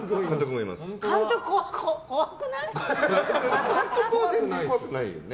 全然怖くないよね。